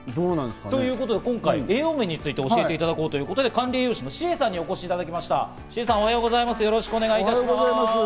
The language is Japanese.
栄養面について、教えていただこうということで、管理栄養士のシエさんをお呼びしております。